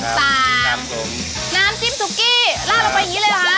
ซอสต่างน้ำจิ้มซุกี้ลากลงไปอย่างนี้เลยฮะ